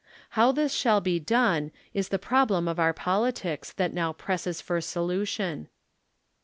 How this shall be done is the proljlem of our politics, that now presses for solution.